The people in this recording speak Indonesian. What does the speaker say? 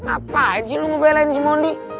apaan sih lo ngebelain si mondi